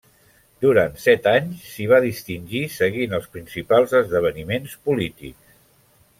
Durant set anys s'hi va distingir seguint els principals esdeveniments polítics.